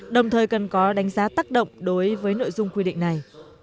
đồng thời cần có đánh giá tác động đối với nội dung quy định này